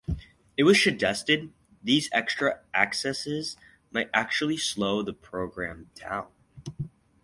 It was suggested these extra accesses might actually slow the program down.